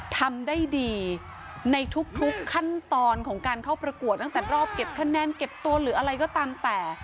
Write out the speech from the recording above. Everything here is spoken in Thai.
ทำได้ดีในทุกขั้นตอนของการเข้าประกวดตั้งแต่รอบเก็บคะแนนเก็บตัวหรืออะไรก็ตามแต่